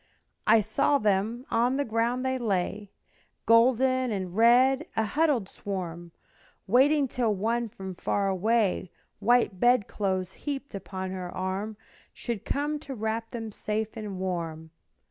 I saw them; on the ground they lay, Golden and red, a huddled swarm, Waiting till one from far away, White bed clothes heaped upon her arm, Should come to wrap them safe and warm.